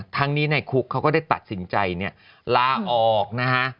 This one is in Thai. ทั้งนี้ในคุกเขาก็ได้ตัดสินใจเนี่ยลาออกนะฮะ